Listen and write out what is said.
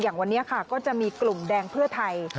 อย่างวันนี้ค่ะก็จะมีกลุ่มแดงเพื่อไทย